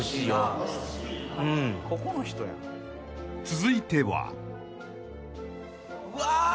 ［続いては］うわ！